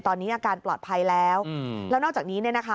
ตอนนี้อาการปลอดภัยแล้วแล้วนอกจากนี้เนี่ยนะคะ